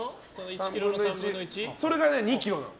それが２ｋｇなの。